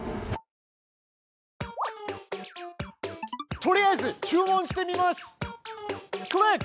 とりあえず注文してみます！クリック！